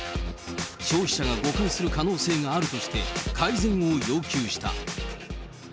消費者が誤解する可能性があるとして、改善を要求した。